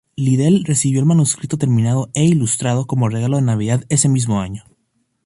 Liddell recibió el manuscrito terminado e ilustrado como regalo de navidad ese mismo año.